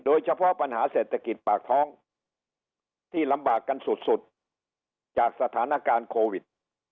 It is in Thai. โดยเฉพาะปัญหาเศรษฐกิจปากท้องที่ลำบากกันสุดจากสถานการณ์โควิด